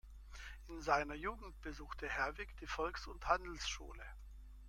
In seiner Jugend besuchte Herwig die Volks- und Handelsschule.